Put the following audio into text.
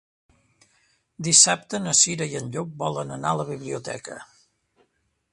Dissabte na Cira i en Llop volen anar a la biblioteca.